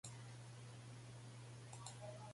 осамнаест